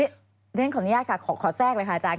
เดี๋ยวฉันขออนุญาตค่ะขอแทรกเลยค่ะอาจารย